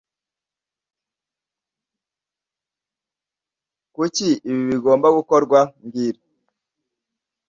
Kuki ibi bigomba gukorwa mbwira